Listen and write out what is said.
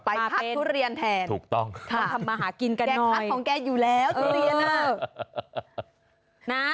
ไปครัดทุเรียนแทน